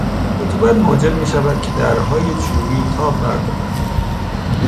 رطوبت موجب میشود که درهای چوبی تاب بردارند.